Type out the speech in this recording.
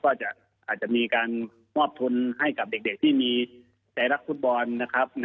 ก็อาจจะมีการมอบทุนให้กับเด็กที่มีใจรักฟุตบอลนะครับ